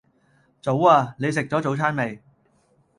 早呀！你食左早餐未